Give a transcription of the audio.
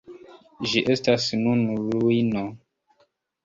Ĝi estas nun ruino.